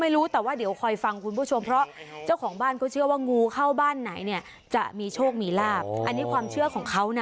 ไม่รู้แต่ว่าเดี๋ยวคอยฟังคุณผู้ชมเพราะเจ้าของบ้านก็เชื่อว่างูเข้าบ้านไหนเนี่ยจะมีโชคมีลาบอันนี้ความเชื่อของเขานะ